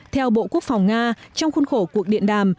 theo bộ quốc phòng nga trong khuôn khổ cuộc điện đàm